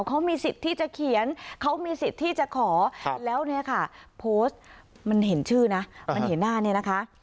เขามีสิทธิ์ที่จะเขียนเขามีสิทธิ์ที่จะขอแล้วเนี่ยค่ะโพสต์มันเห็นชื่อนะมันเห็นหน้าเนี่ยนะคะ